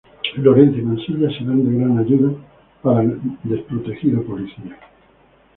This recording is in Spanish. Lorenzo y Mansilla serán de gran ayuda para el desprotegido policía.